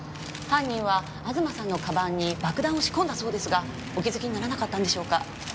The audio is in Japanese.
犯人は東さんの鞄に爆弾を仕込んだそうですがお気づきにならなかったんでしょうか？